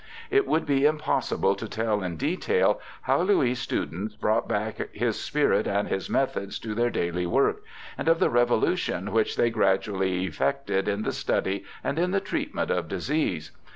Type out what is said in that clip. It would be impossible to tell in detail how Louis' students brought back his spirit and his methods to their daily work, and of the revolution which they gradually effected in the study and in the treatment of disease.